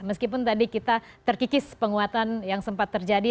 meskipun tadi kita terkikis penguatan yang sempat terjadi